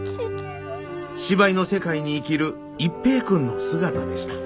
芝居の世界に生きる一平君の姿でした。